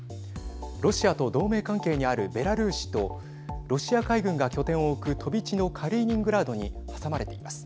ロシアと同盟関係にあるベラルーシとロシア海軍が拠点を置く飛び地のカリーニングラードに挟まれています。